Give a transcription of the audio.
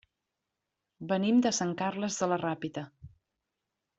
Venim de Sant Carles de la Ràpita.